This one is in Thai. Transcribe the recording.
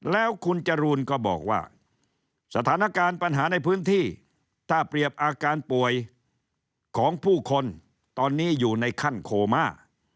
แล้วคุณจรูนก็บอกว่าสถานการณ์ปัญหาในพื้นที่ถ้าเปรียบอาการป่วยของผู้คนตอนนี้อยู่ในขั้นโคม่า